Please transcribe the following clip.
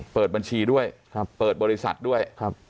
เปิดบัญชีด้วยเปิดบริษัทด้วย